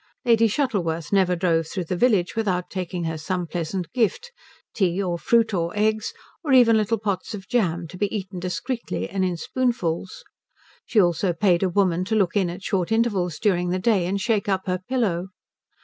Lady Shuttleworth never drove through the village without taking her some pleasant gift tea, or fruit, or eggs, or even little pots of jam, to be eaten discreetly and in spoonfuls. She also paid a woman to look in at short intervals during the day and shake up her pillow.